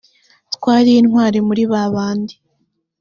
t wari intwari muri ba bandi